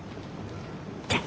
じゃあ。